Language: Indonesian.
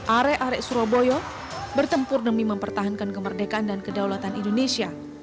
arek arek surabaya bertempur demi mempertahankan kemerdekaan dan kedaulatan indonesia